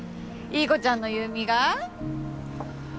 いい子ちゃんの優美が？